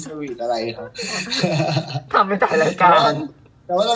ทำไปต่างรายการ